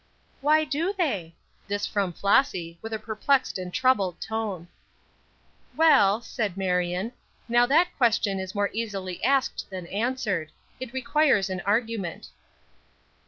"Why do they?" This from Flossy, with a perplexed and troubled tone. "Well," said Marion, "now that question is more easily asked than answered. It requires an argument."